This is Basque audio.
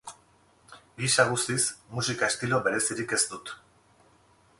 Gisa guztiz, musika estilo berezirik ez dut.